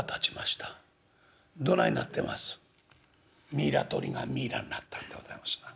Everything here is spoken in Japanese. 「ミイラ取りがミイラになったんでございますな。